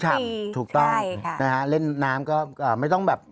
ใช่ค่ะเล่นน้ำก็ไม่ต้องแบบ